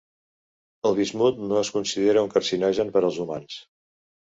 El bismut no es considera un carcinogen per als humans.